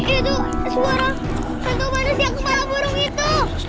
itu semua orang hantu manusia kepala burung itu